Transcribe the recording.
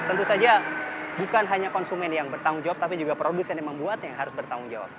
tentu saja bukan hanya konsumen yang bertanggung jawab tapi juga produsen yang membuatnya yang harus bertanggung jawab